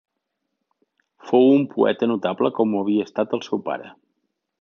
Fou un poeta notable com ho havia estat el seu pare.